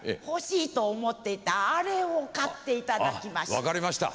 あっ分かりました！